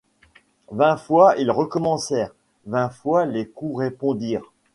Vingt fois ils recommencèrent, vingt fois les coups répondirent.